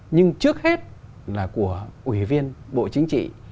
nhưng trước hết là của ủy viên bộ chính trị